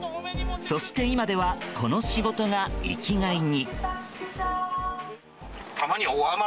そして今ではこの仕事が生きがいに。